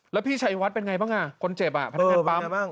แล้วพี่ชัยวัดเป็นไงบ้างอ่ะคนเจ็บอ่ะพนักงานปั๊ม